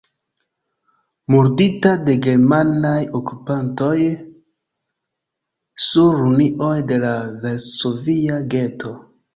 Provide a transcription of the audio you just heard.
Murdita de germanaj okupantoj sur ruinoj de la Varsovia geto.